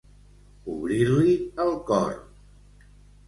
Obrir-li el cor.